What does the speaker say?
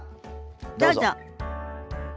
どうぞ。